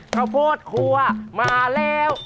ข้าวโพดครัวมาแล้ว